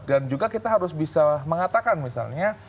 dan juga kita harus bisa mengatakan misalnya